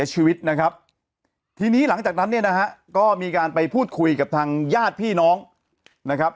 ยังไงยังไงยังไงยังไงยังไงยังไงยังไงยังไง